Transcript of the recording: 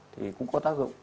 thì cũng có tác dụng